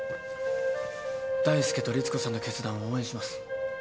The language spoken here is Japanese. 大介とリツコさんの決断を応援します。